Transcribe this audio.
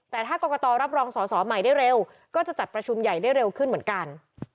แต่ถ้ากรกตรับรองสอสอใหม่ได้เร็วก็จะจัดประชุมใหญ่ได้เร็วขึ้นเหมือนกัน